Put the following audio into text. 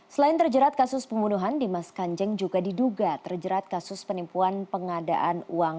selain terjerat kasus pembunuhan dimas kanjeng juga diduga terjerat kasus penipuan pengadaan uang